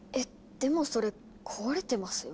でもそれ壊れてますよ。